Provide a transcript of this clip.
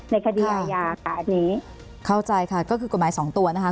ในคดีอาญาค่ะอันนี้เข้าใจค่ะก็คือกฎหมายสองตัวนะคะ